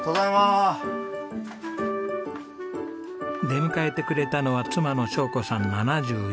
出迎えてくれたのは妻の晶子さん７４歳です。